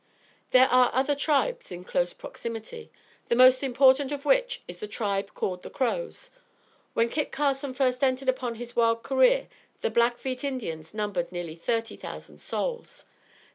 There are other tribes in close proximity, the most important of which is the tribe called the Crows. When Kit Carson first entered upon his wild career the Blackfeet Indians numbered nearly thirty thousand souls.